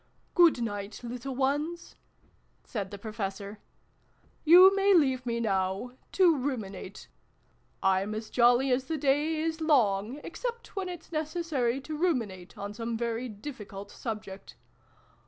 " Good night, little ones !" said the Professor. " You may leave me now to ruminate. I'm as jolly as the day is long, except when it's necessary to ruminate on some very difficult subject.